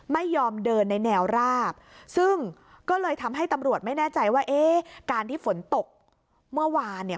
ไม่ยอมเดินในแนวราบซึ่งก็เลยทำให้ตำรวจไม่แน่ใจว่าเอ๊ะการที่ฝนตกเมื่อวานเนี่ย